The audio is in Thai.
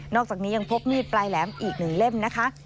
อกจากนี้ยังพบมีดปลายแหลมอีก๑เล่มนะคะ